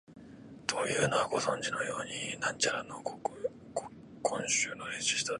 というのは、ご存じのように、貫之は「古今集」を編集したあと、